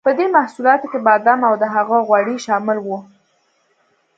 په دې محصولاتو کې بادام او د هغه غوړي شامل وو.